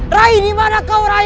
rai dimana kau rai